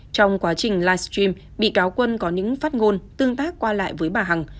trong quá trình live stream bị cáo quân có những phát ngôn tương tác qua lại với bà hằng